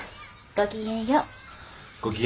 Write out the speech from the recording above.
ごきげんよう。